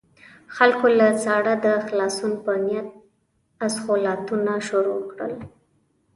خلکو له ساړه د خلاصون په نيت اسخولاتونه شروع کړل.